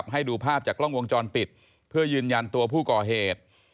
ให้ดูภาพจากกล้องวงจรปิดเพื่อยืนยันตัวผู้ก่อเหตุ